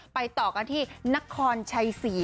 ต่อกันที่นครชัยศรี